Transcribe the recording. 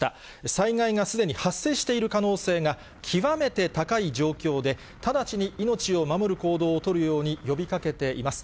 災害がすでに発生している可能性が極めて高い状況で、直ちに命を守る行動を取るように呼びかけています。